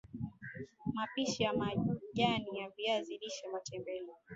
mapishi ya majani ya viazi lishe matembele